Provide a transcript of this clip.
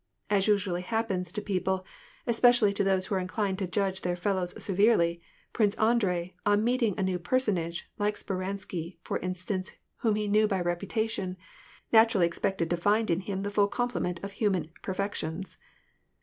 As usually happens to people, especially to those who are inclined to judge their fellows severely. Prince Andrei, on meeting a new personage, like Speransky,* for instance, whom he knew by reputation, natu rally expected to find in him the full complement of human perfections.